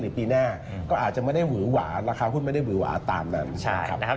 ปีหน้าก็อาจจะไม่ได้หวือหวาราคาหุ้นไม่ได้หวือหวาตามนั้นนะครับ